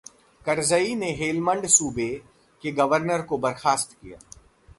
करजई ने हेलमंड सूबे के गवर्नर को बर्खास्त किया